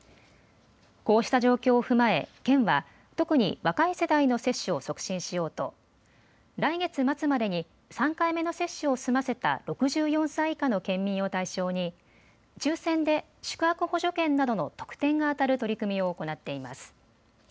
こうした状況を踏まえ県は特に若い世代の接種を促進しようと来月末までに３回目の接種を済ませた６４歳以下の県民を対象に抽せんで宿泊補助券などの特典が当たる取り組みを行っています。